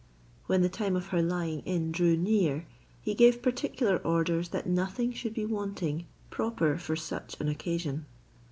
When the time of her lying in drew near, he gave particular orders that nothing should be wanting proper for such an occasion.